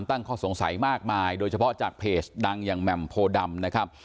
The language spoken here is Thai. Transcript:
ตั้งข้อสงสัยมากมายโดยเฉพาะจากเพจดังอย่างแหม่มโพดำนะครับ